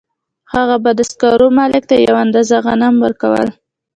هغه به د سکارو مالک ته یوه اندازه غنم ورکول